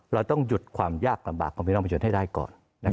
เราต้องหยุดความยากลำบากของพี่น้องประชาชนให้ได้ก่อน